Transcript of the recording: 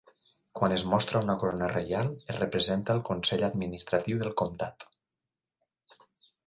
Quan es mostra una corona reial, es representa el Consell Administratiu del Comtat.